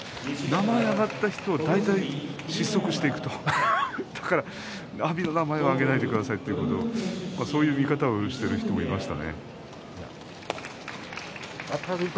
名前が挙がった人は大体失速していくとだから阿炎の名前は挙げないでくださいという言い方をしている人もいました。